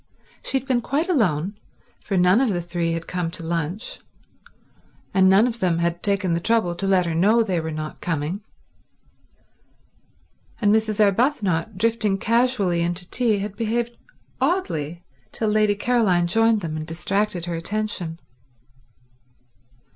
She had been quite alone, for none of the three had come to lunch, and none of them had taken the trouble to let her know they were not coming; and Mrs. Arbuthnot, drifting casually into tea, had behaved oddly till Lady Caroline joined them and distracted her attention.